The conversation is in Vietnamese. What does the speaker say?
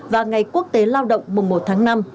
và ngày quốc tế lao động mùng một tháng năm